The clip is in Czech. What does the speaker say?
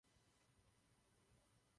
Na mysu Roca je maják.